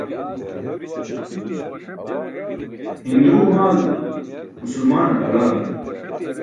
Hinduwe maal musulmaanar halal.